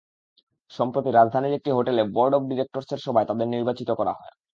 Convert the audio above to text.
সম্প্রতি রাজধানীর একটি হোটেলে বোর্ড অব ডিরেক্টরসের সভায় তাঁদের নির্বাচিত করা হয়।